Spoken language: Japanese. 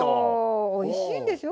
おいしいんですよ